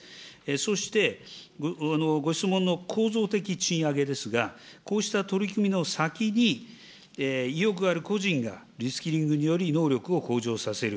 そして、ご質問の構造的賃上げですが、こうした取り組みの先に、意欲ある個人がリスキリングにより能力を向上させる。